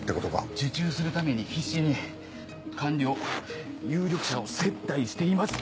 受注するために必死に官僚有力者を接待していました。